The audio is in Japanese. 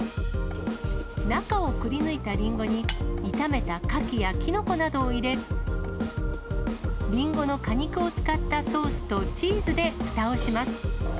中をくりぬいたリンゴに、炒めたカキやキノコなどを入れ、リンゴの果肉を使ったソースとチーズでふたをします。